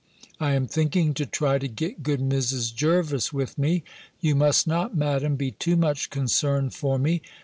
I am thinking to try to get good Mrs. Jervis with me. You must not, Madam, be too much concerned for me.